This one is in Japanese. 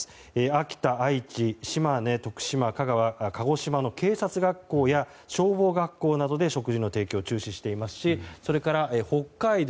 秋田、愛知、島根、徳島、香川鹿児島の警察学校や消防学校などで食事の提供を中止していますしそれから、北海道。